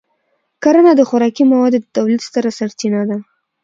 کرنه د خوراکي موادو د تولید ستره سرچینه ده.